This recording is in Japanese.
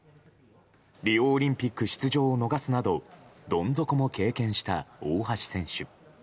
リオオリンピック出場を逃すなどどん底も経験した大橋選手。